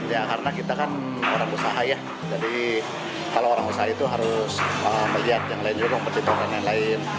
ya karena kita kan orang usaha ya jadi kalau orang usaha itu harus melihat yang lain juga kompetitor dan lain lain